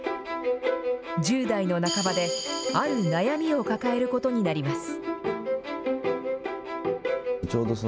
１０代の半ばで、ある悩みを抱えることになります。